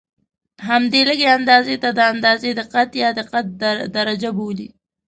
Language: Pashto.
همدې لږې اندازې ته د اندازې دقت یا دقت درجه بولي.